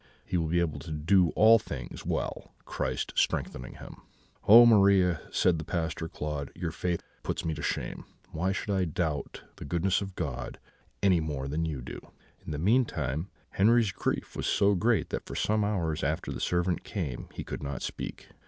He will be able to do all things well, Christ strengthening him.' "'Oh, Maria!' said the Pastor Claude, 'your faith puts me to shame; why should I doubt the goodness of God any more than you do?' "In the meantime Henri's grief was so great that, for some hours after the servant came, he could not speak.